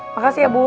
makasih ya bu